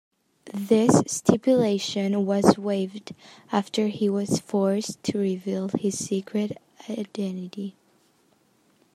This stipulation was waived after he was forced to reveal his secret identity.